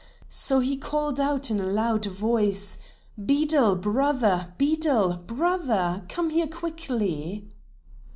So he called out in a loud voice: "Beadle! Brother! Beadle! Brother! come here quickly."